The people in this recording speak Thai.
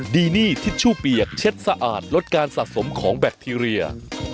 ดีนี่ทิชชู่เปียกเช็ดสะอาดลดการสะสมของแบคทีเรีย